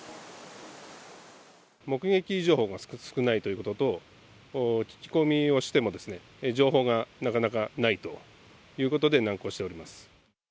目撃情報が少ないということと、聞き込みをしても、情報がなかなかないということで、難航しております。